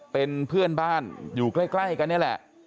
เป็นเพื่อนบ้านอยู่ใกล้กันนี่แหละ